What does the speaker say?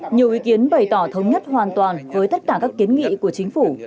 nhiều ý kiến bày tỏ thống nhất hoàn toàn với tất cả các kiến nghị của chính phủ